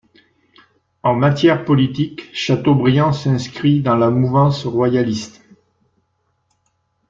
En matière politique, Chateaubriand s'inscrit dans la mouvance royaliste.